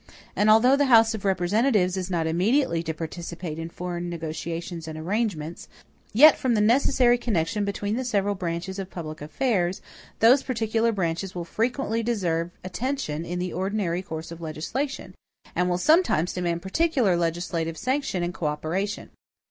And although the House of Representatives is not immediately to participate in foreign negotiations and arrangements, yet from the necessary connection between the several branches of public affairs, those particular branches will frequently deserve attention in the ordinary course of legislation, and will sometimes demand particular legislative sanction and co operation.